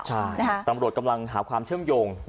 ใช่ตำรวจกำลังหาความเชื่อมโยง